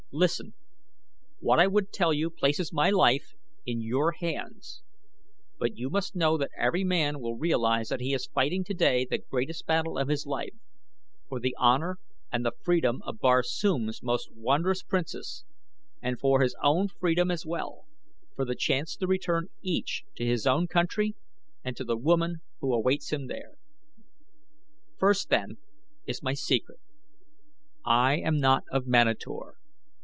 Listen! What I would tell you places my life in your hands, but you must know that every man will realize that he is fighting today the greatest battle of his life for the honor and the freedom of Barsoom's most wondrous princess and for his own freedom as well for the chance to return each to his own country and to the woman who awaits him there. "First, then, is my secret. I am not of Manator.